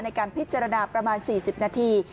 ในการพิจารณาประมาณ๔๐นาที